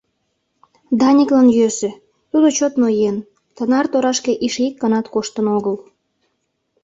Даниклан йӧсӧ, тудо чот ноен, тынар торашке эше ик ганат коштын огыл.